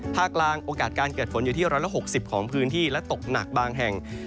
ภาคกลางโอกาสการเกิดฝนอยู่ที่๑๖๐ของพื้นที่และตกหนักบางแห่ง